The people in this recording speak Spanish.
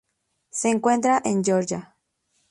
Se encuentra en Georgia.